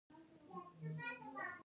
د ناپلیون کوډ په نامه یادېږي.